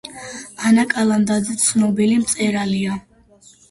ანა კალანდაძე ცნობილი მწერალია